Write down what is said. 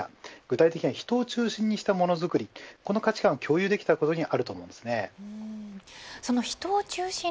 具体的には人を中心にしたものづくりこの価値観を共有できたことにあると思います。